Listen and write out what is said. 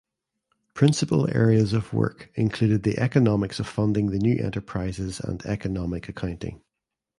Principal areas of work included the Economics of Funding new enterprises and Economic Accounting.